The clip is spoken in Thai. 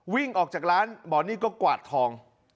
วิ่งออกจากร้านหมอนี่ก็กวาดทอง